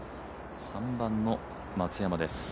３番の松山です。